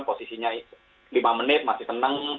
posisinya lima menit masih tenang